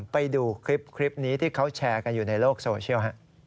ไปดูคลิปนี้ที่เขาแชร์กันอยู่ในโลกโซเชียล